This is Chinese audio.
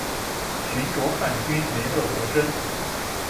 寻擢汉军梅勒额真。